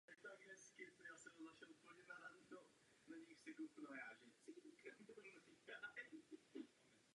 Jeho firma vyráběla nádobí.